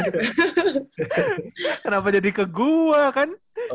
kenapa jadi ke gua kan